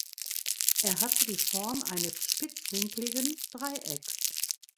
Er hatte die Form eines spitzwinkligen Dreiecks.